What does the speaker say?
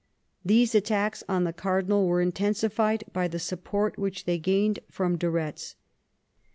These attacks on the cardinal were intensified by the support which they gained from de Ketz.